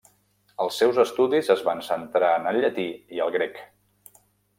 Els seus estudis es van centrar en el llatí i el grec.